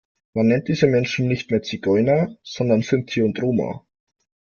Man nennt diese Menschen nicht mehr Zigeuner, sondern Sinti und Roma.